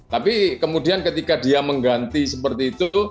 tapi kemudian ketika dia mengganti seperti itu